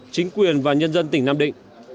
chính quyền và nhân dân tỉnh nam định